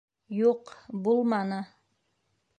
Юҡ, булманы.